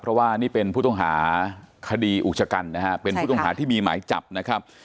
เพราะว่านี่เป็นผู้ต้องหาคดีอุกชกันนะฮะเป็นผู้ต้องหาที่มีหมายจับนะครับ